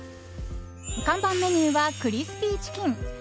看板メニューはクリスピーチキン。